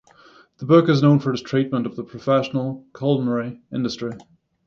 The book is known for its treatment of the professional culinary industry.